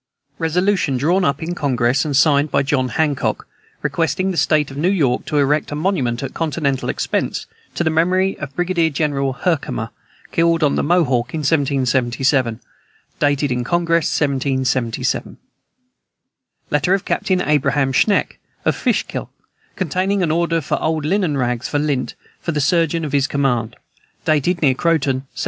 Resolution drawn up in Congress, and signed by John Hancock, requesting the state of New York to erect a monument, at continental expense, to the memory of Brigadier General Herkimer, killed on the Mohawk in 1777. Dated in Congress, 1777. Letter of Captain Abraham Schenck, of Fishkill, containing an order for old linen rags, for lint, for the surgeon of his command. Dated near Croton, 1776.